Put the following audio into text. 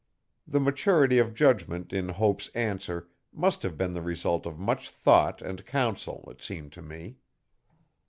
The maturity of judgement in Hope's answer must have been the result of much thought and counsel, it seemed to me.